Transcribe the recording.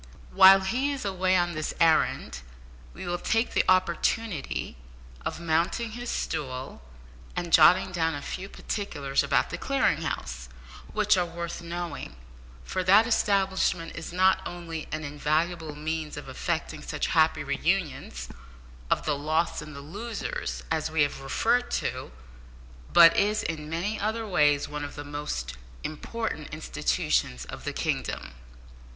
While he is away on this errand, we will take the opportunity of mounting his stool and jotting down a few particulars about the Clearing House, which are worth knowing, for that establishment is not only an invaluable means of effecting such happy re unions of the lost and the losers, as we have referred to, but is, in many other ways, one of the most important institutions in the kingdom.